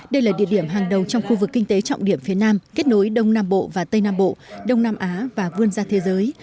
đây là địa điểm hàng đầu trong khu vực kinh tế trọng điểm phía nam kết nối đông nam bộ và tây nam bộ đông nam á và vươn ra thế giới